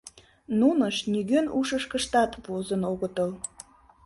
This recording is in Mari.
Нунышт нигӧн ушышкыштат возын огытыл.